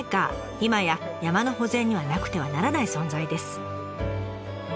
今や山の保全にはなくてはならない存在です。